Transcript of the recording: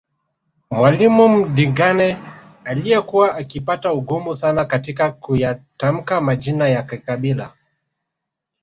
Mwalimu Mdingane aliyekuwa akipata ugumu sana katika kuyatamka Majina ya kikabila